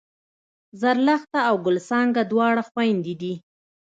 زرلښته او ګل څانګه دواړه خوېندې دي